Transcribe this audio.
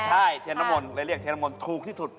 ใช่เทียนน้ำมนต์เลยเรียกเทียนมนต์ถูกที่สุด